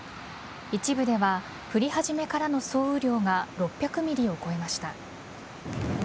一部では降り始めからの総雨量が６００ｍｍを超えました。